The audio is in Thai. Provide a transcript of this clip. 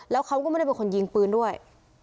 แล้วเขาก็ไม่ได้เป็นคนยิงปืนด้วย